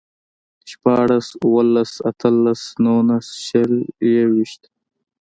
شپاړس، اووهلس، اتهلس، نولس، شل، يوويشت